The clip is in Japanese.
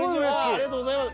ありがとうございます。